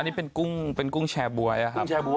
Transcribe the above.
อันนี้เป็นกุ้งแชร์บวยครับ